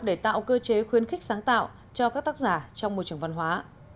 để tạo cơ chế khuyến khích sáng tạo cho các tác giả trong môi trường văn hóa